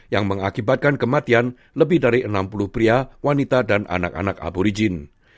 yang mengakibatkan kematian lebih dari enam puluh pria wanita dan anak anak aborigin